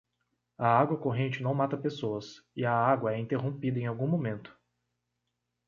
A água corrente não mata pessoas e a água é interrompida em algum momento.